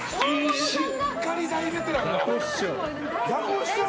しっかり大ベテランが。